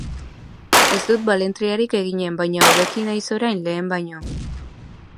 Ez dut balentriarik eginen, baina hobeki naiz orain lehen baino.